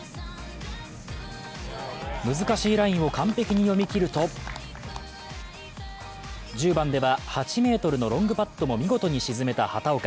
難しいラインを完璧に読み切ると、１０番では８ｍのロングパットも見事に沈めた畑岡。